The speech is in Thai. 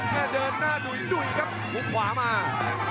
หน้าเดินหน้าดุ้ยครับหูขวามา